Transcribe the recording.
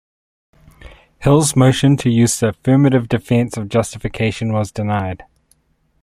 Hill's motion to use the affirmative defense of justification was denied.